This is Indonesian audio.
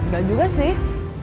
gak juga sih